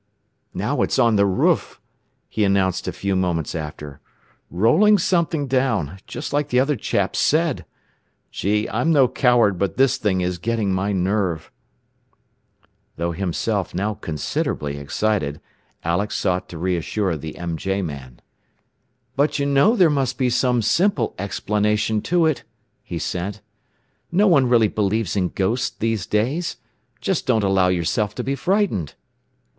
"Now it's on the roof!" he announced a few moments after. "Rolling something down just like the other chaps said! Gee, I'm no coward, but this thing is getting my nerve." Though himself now considerably excited, Alex sought to reassure the MJ man. "But you know there must be some simple explanation to it," he sent. "No one really believes in ghosts these days. Just don't allow yourself to be frightened."